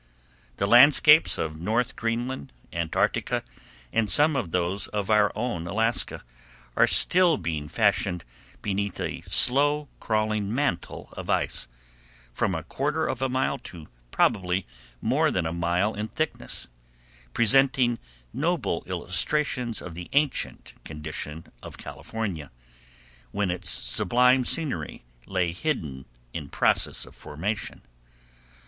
The landscapes of North Greenland, Antarctica, and some of those of our own Alaska, are still being fashioned beneath a slow crawling mantle of ice, from a quarter of a mile to probably more than a mile in thickness, presenting noble illustrations of the ancient condition of California, when its sublime scenery lay hidden in process of formation.